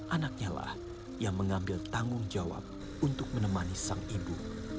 anaknya lah yang mengambil tanggung jawab untuk menemani sang ibu